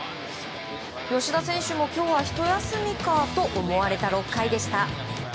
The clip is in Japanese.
吉田選手も今日はひと休みかと思われた６回でした。